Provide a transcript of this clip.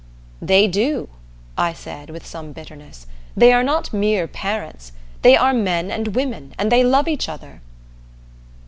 "They do," I said, with some bitterness. "They are not mere parents. They are men and women, and they love each other."